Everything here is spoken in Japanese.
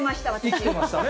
生きてましたね。